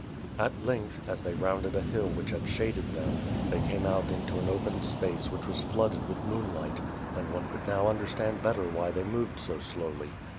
At length, as they rounded a hill which had shaded them, they came out into an open space which was flooded with moonlight, and one could now understand better why they moved so slowly.